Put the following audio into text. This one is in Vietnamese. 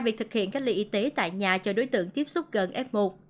việc thực hiện cách ly y tế tại nhà cho đối tượng tiếp xúc gần f một